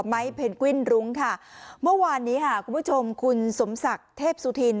เพนกวิ้นรุ้งค่ะเมื่อวานนี้ค่ะคุณผู้ชมคุณสมศักดิ์เทพสุธิน